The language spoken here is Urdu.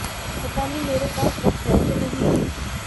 پتا نہیں میرے پاس وقت ہے کہ نہیں